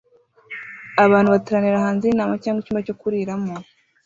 Abantu bateranira hanze yinama cyangwa icyumba cyo kuriramo